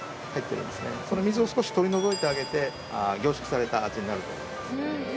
その水を少し取り除いてあげて凝縮された味になる。